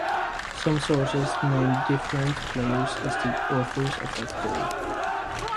Some sources named different players as the authors of that goal.